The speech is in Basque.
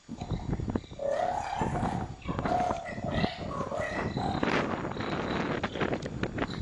Neurri honekin automedikazioa geldiarazi nahi dute.